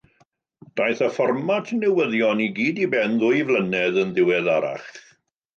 Daeth y fformat newyddion i gyd i ben ddwy flynedd yn ddiweddarach.